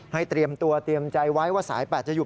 เตรียมตัวเตรียมใจไว้ว่าสาย๘จะอยู่